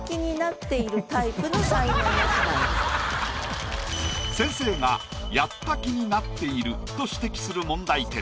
何か先生がやった気になっていると指摘する問題点。